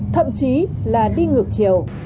thậm chí là đi ngược chiều